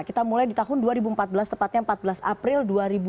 kita mulai di tahun dua ribu empat belas tepatnya empat belas april dua ribu dua puluh